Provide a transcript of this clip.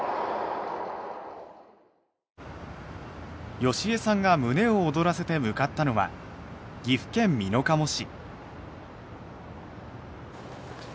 好江さんが胸を躍らせて向かったのは岐阜県美濃加茂市。